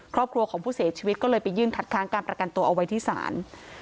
ครอบครัวของผู้เสียชีวิตก็เลยไปยื่นคัดค้างการประกันตัวเอาไว้ที่ศาล